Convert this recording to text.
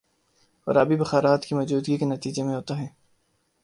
اور آبی بخارات کی موجودگی کے نتیجے میں ہوتا ہے